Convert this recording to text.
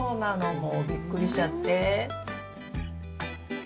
もうびっくりしちゃって。